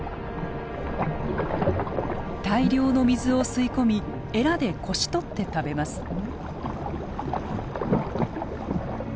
大量の水を吸い込みエラでこしとって食べます。